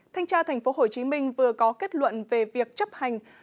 thanh tra tp hcm vừa có kết luận về việc chấp hành